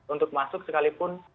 untuk masuk sekalipun